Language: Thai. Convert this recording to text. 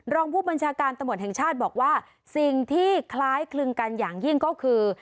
รองผู้บัญชาการตำรวจแห่งชาติบอกว่าสิ่งที่คล้ายคลึงกันอย่างยิ่งก็คือ